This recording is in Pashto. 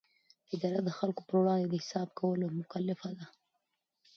اداره د خلکو پر وړاندې د حساب ورکولو مکلفه ده.